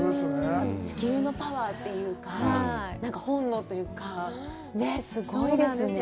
地球のパワーというか、何か本能というか、ねっ、すごいですね。